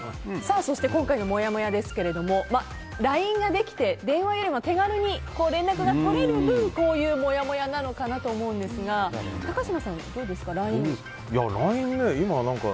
今回のもやもやですがＬＩＮＥができて電話よりも手軽に連絡が取れる分、こういうもやもやなのかなと思いますが高嶋さんどうですか、ＬＩＮＥ？